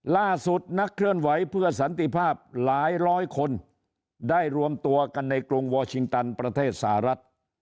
นักเคลื่อนไหวเพื่อสันติภาพหลายร้อยคนได้รวมตัวกันในกรุงวอร์ชิงตันประเทศสหรัฐ